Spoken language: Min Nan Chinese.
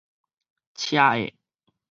車厄